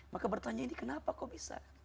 maka bertanya ini kenapa kok bisa